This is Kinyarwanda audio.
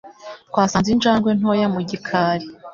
Twasanze injangwe ntoya mu gikari.